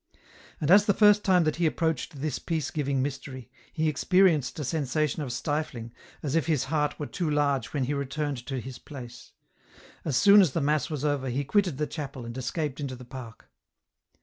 And as the first time that he approached this peace giving mystery, he experienced a sensation of stifling, as if his heart were too large when he returned to his place. As soon as the mass was over, he quitted the chapel and escaped into the park.